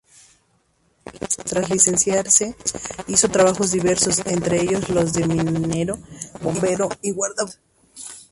Tras licenciarse, hizo trabajos diversos, entre ellos los de minero, bombero y guardabosques.